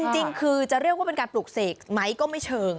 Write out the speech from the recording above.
จริงคือจะเรียกว่าเป็นการปลูกเสกไหมก็ไม่เชิง